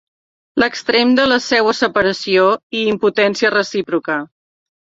L'extrem de la seua separació i impotència recíproca.